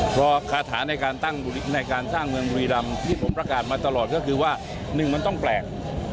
เพราะคาถาในการตั้งในการสร้างเมืองบุรีรำที่ผมประกาศมาตลอดก็คือว่าหนึ่งมันต้องแปลก